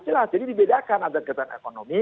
silahkan jadi dibedakan agar kegiatan ekonomi